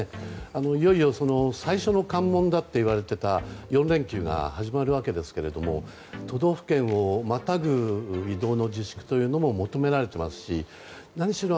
いよいよ最初の関門だといわれていた４連休が始まるわけですけれども都道府県をまたぐ移動の自粛というのも求められていますし何しろ